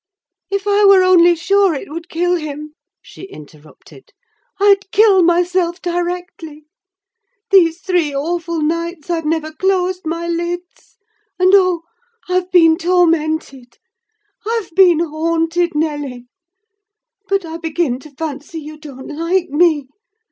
"If I were only sure it would kill him," she interrupted, "I'd kill myself directly! These three awful nights I've never closed my lids—and oh, I've been tormented! I've been haunted, Nelly! But I begin to fancy you don't like me.